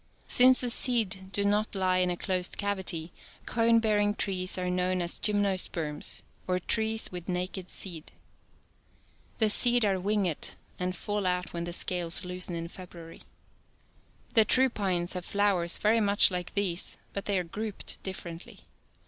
Since the seed do not lie in a closed cavity, cone bearing trees are known as Gymnosperms, or trees with naked seed. The seed are winged, and fall out when the scales loosen in February. The true pines have flowers very much like these but they are grouped differently.